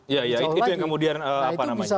ya itu yang kemudian apa namanya bahaya juga